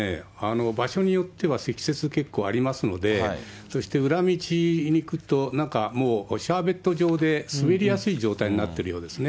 場所によっては積雪、結構ありますので、そして裏道に行くと、なんかもうシャーベット状で滑りやすい状態になっているようですね。